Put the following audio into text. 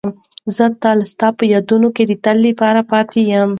زه تل ستا په یادونو کې د تل لپاره پاتې یم.